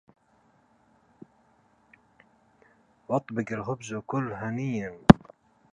وأطبق الخبزَ وكلْ هنيّا